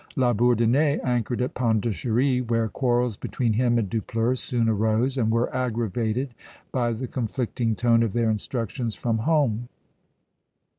La Bourdonnais anchored at Pondicherry, where quarrels between him and Dupleix soon arose, and were aggravated by the conflicting tone of their instructions from home.